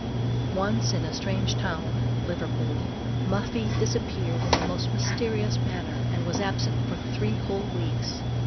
Once, in a strange town Liverpool, Muffie disappeared in the most mysterious manner, and was absent for three whole weeks.